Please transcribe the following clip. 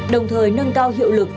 đồng thời nâng cao hiệu lực